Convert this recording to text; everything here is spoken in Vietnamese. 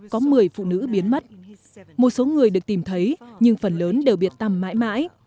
có một mươi phụ nữ biến mất một số người được tìm thấy nhưng phần lớn đều biệt tầm mãi mãi